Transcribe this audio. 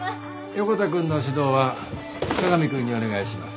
横田くんの指導は香美くんにお願いします。